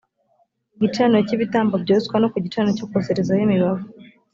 gicaniro cy ibitambo byoswa no ku gicaniro cyo koserezaho imibavu